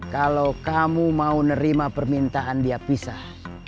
kalau kamu mau nerima permintaan dia pisah